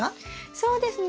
そうですね。